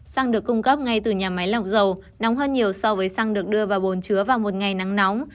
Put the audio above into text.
xăng được cung cấp ngay từ nhà máy lọc dầu nóng hơn nhiều so với xăng được đưa vào bồn chứa vào một ngày nắng nóng